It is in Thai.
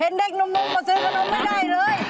เห็นเด็กน้มมก็ซื้อง้มไม่ได้เลย